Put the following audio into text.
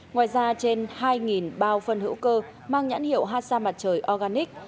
ngoài ra trên hai bao phân hữu cơ mang nhãn hiệu hà sa mặt trời organic